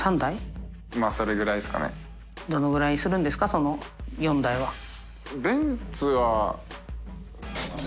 その４台は。大島）